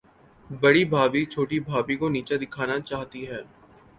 بڑی بھابھی، چھوٹی بھابھی کو نیچا دکھانا چاہتی ہے۔